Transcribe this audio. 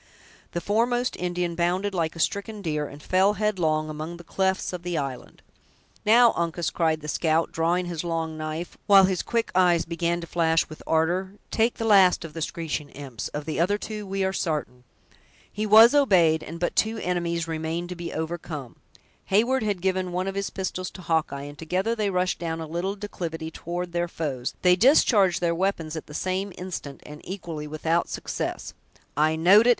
The foremost Indian bounded like a stricken deer, and fell headlong among the clefts of the island. "Now, Uncas!" cried the scout, drawing his long knife, while his quick eyes began to flash with ardor, "take the last of the screeching imps; of the other two we are sartain!" He was obeyed; and but two enemies remained to be overcome. Heyward had given one of his pistols to Hawkeye, and together they rushed down a little declivity toward their foes; they discharged their weapons at the same instant, and equally without success. "I know'd it!